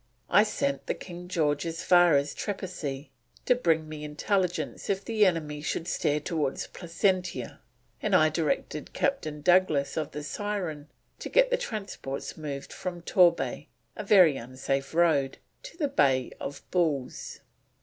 I sent the King George as far as Trepassy, to bring me intelligence if the enemy should steer towards Placentia; and I directed Captain Douglas of the Syren to get the transports moved from Torbay, a very unsafe road, to the Bay of Bulls."